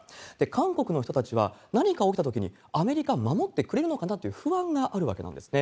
韓国の人たちは、何か起きたときに、アメリカ守ってくれるのかなという不安があるわけなんですね。